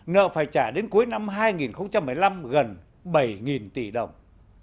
nợ phải trả đến cuối năm hai nghìn một mươi năm gần bảy tỷ đồng